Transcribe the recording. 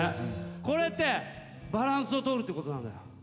これってバランスを取るっていうことなのよ。